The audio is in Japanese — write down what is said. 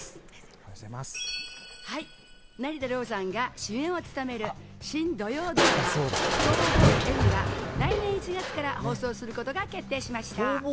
成田凌さんが主演を務める新土曜ドラマ『逃亡医Ｆ』が来年１月から放送することが決定しました。